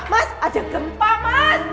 mas ada gempa mas